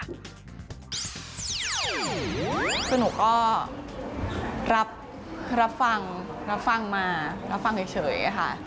คือหนูก็รับฟังรับฟังมารับฟังเฉยค่ะ